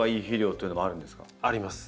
あります。